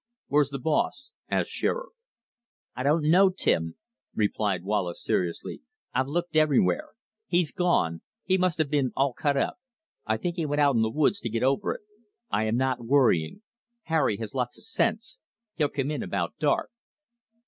"Where's the boss?" asked Shearer. "I don't know, Tim," replied Wallace seriously. "I've looked everywhere. He's gone. He must have been all cut up. I think he went out in the woods to get over it. I am not worrying. Harry has lots of sense. He'll come in about dark."